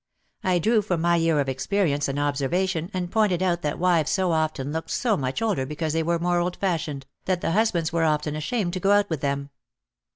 I drew from my year of experience and observation and pointed out that wives so often looked so much older because they were more old fashioned, that the hus bands were often ashamed to go out with them.